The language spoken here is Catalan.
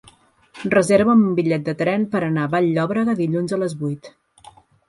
Reserva'm un bitllet de tren per anar a Vall-llobrega dilluns a les vuit.